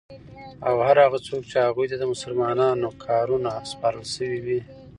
او هر هغه څوک چی هغوی ته د مسلمانانو کارونه سپارل سوی وی